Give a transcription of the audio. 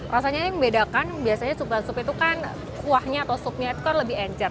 rasanya ini membedakan biasanya supa soup itu kan kuahnya atau soupnya itu kan lebih encer